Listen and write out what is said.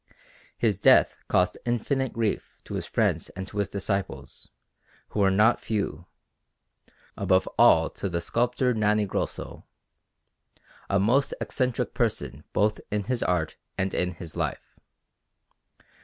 His death caused infinite grief to his friends and to his disciples, who were not few; above all to the sculptor Nanni Grosso, a most eccentric person both in his art and in his life.